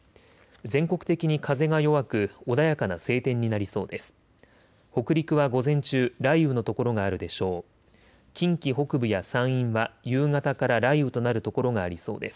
全国的に風が弱く穏やかな晴天になりそうです。